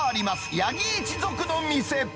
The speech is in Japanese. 八木一族の店。